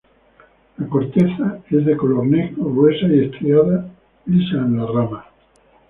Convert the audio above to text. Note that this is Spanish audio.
La corteza es de color negro, gruesa y estriada, lisas en las ramas.